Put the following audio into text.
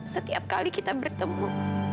setiap kali kita bertemu